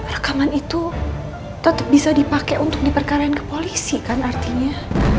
rekaman itu tetap bisa dipakai untuk diperkarain ke polisi kan artinya